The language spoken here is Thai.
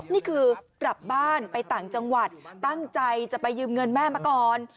นี่คือกลับบ้านไปต่างจังหวัดตั้งใจจะไปยืมเงินแม่มาก่อน